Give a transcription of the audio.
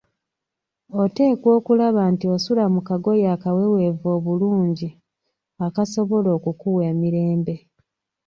Oteekwa okulaba nti osula mu kagoye akaweweevu obulungi akasobola okukuwa emirembe.